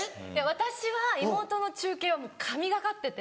私は妹の中継は神懸かってて。